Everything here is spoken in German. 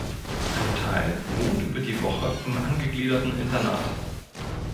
Ein Teil wohnt über die Woche im angegliederten Internat.